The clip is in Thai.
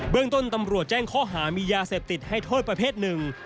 เรื่องต้นตำรวจแจ้งข้อหามียาเสพติดให้โทษประเภทหนึ่ง